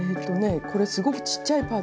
これすごくちっちゃいパーツでしょ。